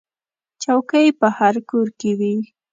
چوکۍ په هر کور کې وي.